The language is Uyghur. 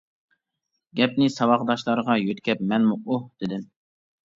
گەپنى ساۋاقداشلارغا يۆتكەپ مەنمۇ «ئۇھ! » دېدىم.